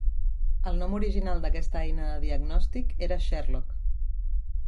El nom original d'aquesta eina de diagnòstic era "Sherlock".